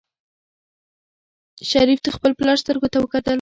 شریف د خپل پلار سترګو ته وکتل.